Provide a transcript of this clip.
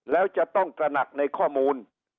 แล้วจะต้องตระหนักในข้อมูล